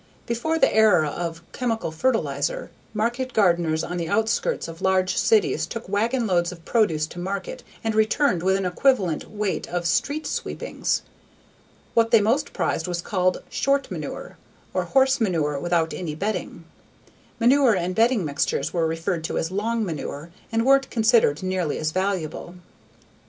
Before the era of chemical fertilizer, market gardeners on the outskirts of large cities took wagon loads of produce to market and returned with an equivalent weight of "street sweepings." What they most prized was called "short manure," or horse manure without any bedding. Manure and bedding mixtures were referred to as "long manure" and weren't considered nearly as valuable.